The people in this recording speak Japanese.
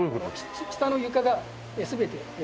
下の床が全て。